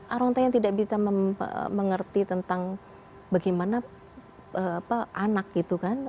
orang tua yang tidak bisa mengerti tentang bagaimana anak gitu kan